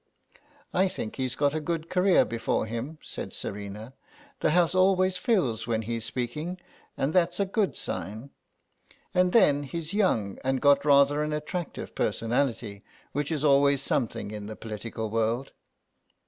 "I think he's got a career before him," said Serena; "the House always fills when he's speaking, and that's a good sign. And then he's young and got rather an attractive personality, which is always something in the political world."